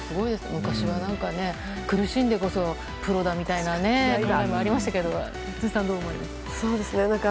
昔は苦しんでこそプロだみたいな考えもありましたけど辻さん、どう思いますか？